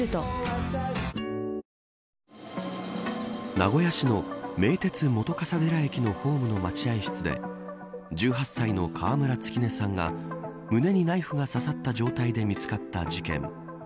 名古屋市の名鉄本笠寺駅のホームの待合室で１８歳の川村月音さんが胸にナイフが刺さった状態で見つかった事件。